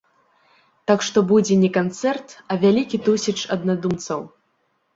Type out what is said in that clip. Так што будзе не канцэрт, а вялікі тусіч аднадумцаў.